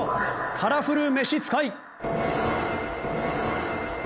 カラフル召使い！